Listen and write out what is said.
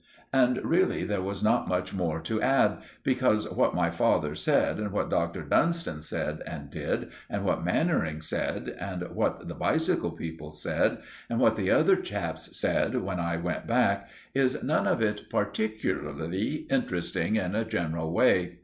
And really there is not much more to add, because what my father said, and what Dr. Dunstan said and did, and what Mannering said, and what the bicycle people said, and what the other chaps said when I went back, is none of it particularly interesting in a general way.